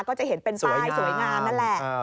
ก็จะเห็นเป็นป้ายสวยงามนั่นแหละ